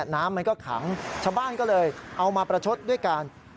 น้ำมันก็ขังชาวบ้านก็เลยเอามาประชดด้วยการ